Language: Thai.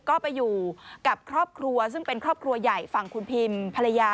ก็ไปอยู่กับครอบครัวซึ่งเป็นครอบครัวใหญ่ฝั่งคุณพิมภรรยา